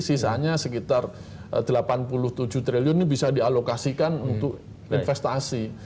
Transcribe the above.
sisanya sekitar rp delapan puluh tujuh triliun ini bisa dialokasikan untuk investasi